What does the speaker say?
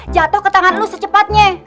jatuh ke tangan lo secepatnya